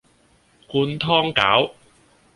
灌湯餃